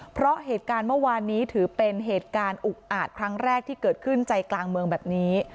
เพราะเหตุการณ์เมื่อวานนี้ถือเป็นเหตุการณ์อุกอาจครั้งแรกที่เกิดขึ้นใจกลางเมืองแบบนี้